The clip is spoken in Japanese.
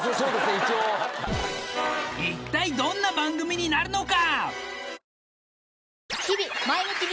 一応一体どんな番組になるのか